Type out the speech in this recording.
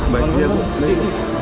mbak bayi dia berhenti